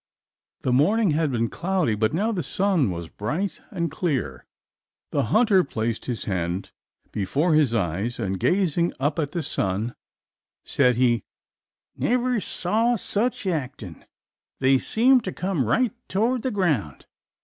The morning had been cloudy but now the sun was bright and clear. The hunter placed his hand before his eyes and gazing up at the sun said he "never saw sich actin'; they seem to come right toward the ground.